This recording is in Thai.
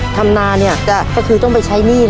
ทำนาเนี่ยก็คือต้องไปใช้หนี้